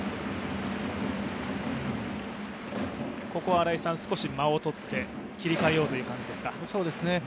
ここは少し間をとって、切り替えようという感じですか？